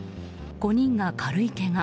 ５人が軽いけが。